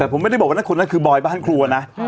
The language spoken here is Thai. แต่ผมไม่ได้บอกว่านั่นคนนั้นคือบอยบ้านครัวนะ